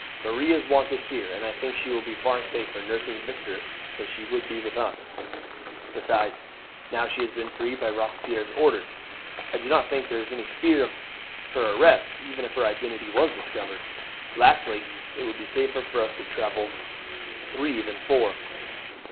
Marie is wanted here, and I think she will be far safer nursing Victor than she would be with us; besides, now she has been freed by Robespierre's orders, I do not think there is any fear of her arrest even if her identity were discovered. Lastly, it would be safer to travel three than four.